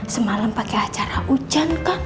semalam pake acara ujan kan